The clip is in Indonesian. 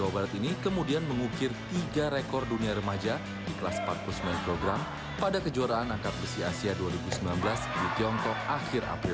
buat mecahin rekor yot itu